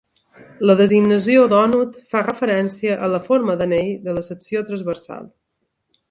La designació "dònut" fa referència a la forma d'anell de la secció transversal.